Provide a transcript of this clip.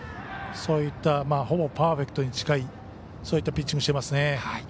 そういったほぼパーフェクトに近いそういったピッチングしていますね。